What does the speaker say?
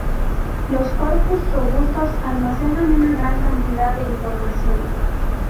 Los corpus robustos almacenan una gran cantidad de información.